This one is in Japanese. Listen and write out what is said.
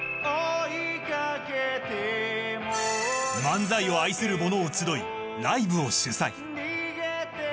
漫才を愛する者を集いライブを主催。